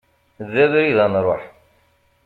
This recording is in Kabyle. D abrid ad nruḥ.